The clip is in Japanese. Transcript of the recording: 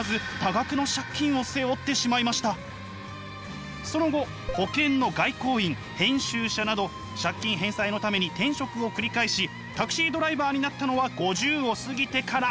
しかし軌道に乗らずその後保険の外交員編集者など借金返済のために転職を繰り返しタクシードライバーになったのは５０を過ぎてから。